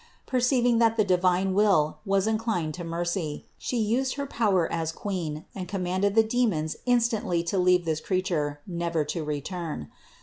Perceiving that the divine will was inclined to mercy, She used her power as Queen and commanded the demons instantly to leave this creature never to return.